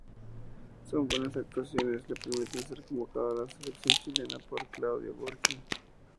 Sus buenas actuaciones le permiten ser convocado a la selección chilena por Claudio Borghi.